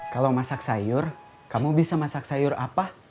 kalau masak sayur kamu bisa masak sayur apa